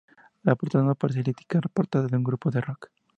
La portada no parece la típica portada de un grupo de rock.